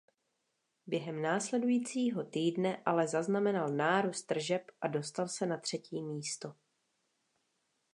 Během následujícího týdne ale zaznamenal nárůst tržeb a dostal se na třetí místo.